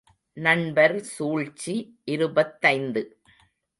நண்பர் சூழ்ச்சி இருபத்தைந்து.